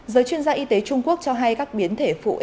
giới chuyên gia y tế trung quốc cho hay các biến thể phụ